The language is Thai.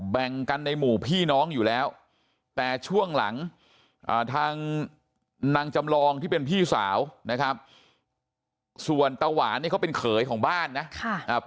แบ่งกันในหมู่พี่น้องอยู่แล้วแต่ช่วงหลังทางนางจำลองที่เป็นพี่สาวนะครับ